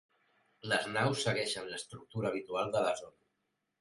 Les naus segueixen l'estructura habitual de la zona.